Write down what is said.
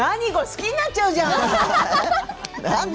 好きになっちゃうじゃん！